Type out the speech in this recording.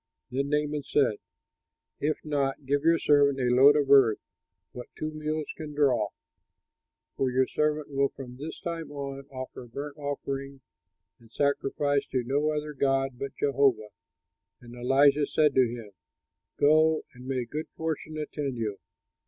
Then Naaman said, "If not, at least give your servant a load of earth, what two mules can draw, for your servant will from this time on offer burnt offering and sacrifice to no other god but Jehovah." And Elisha said to him, "Go, and may good fortune attend you."